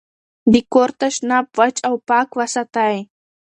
د کور تشناب وچ او پاک وساتئ.